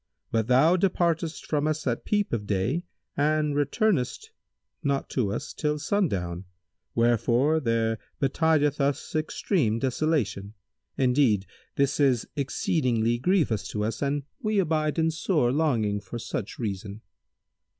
But thou departest from us at peep of day and returnest not to us till sundown, wherefore there betideth us extreme desolation. Indeed this is exceeding grievous to us and we abide in sore longing for such reason."